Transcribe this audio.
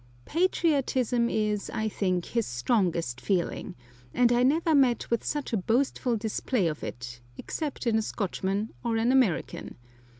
Patriotism is, I think, his strongest feeling, and I never met with such a boastful display of it, except in a Scotchman or an American.